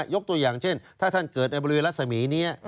ยกตัวอย่างเช่นถ้าท่านเกิดในบริเวณรัศมีนี้